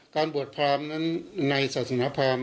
การบวชพรามนั้นในศาสนพราม